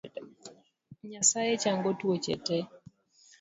Nyasye chango tuoche te.